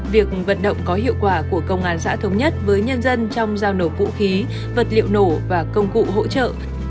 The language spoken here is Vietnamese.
việc vận động có hiệu quả của công an xã thống nhất với nhân dân trong giao nộp vũ khí vật liệu nổ và công cụ hỗ trợ